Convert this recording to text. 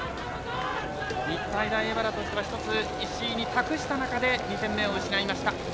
日体大荏原としてはひとつ、石井に託した中で２点目を失いました。